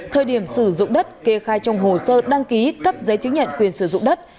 thời điểm sử dụng đất kê khai trong hồ sơ đăng ký cấp giấy chứng nhận quyền sử dụng đất